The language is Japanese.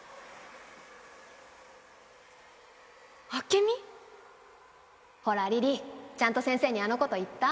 明美⁉ほら梨々ちゃんと先生にあのこと言った？